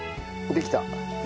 できた。